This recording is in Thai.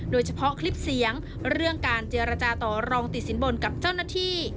โดยเฉพาะคลิปเสียงเรื่องการเจรจาต่อรองติดสินบนกับเจ้าหน้าที่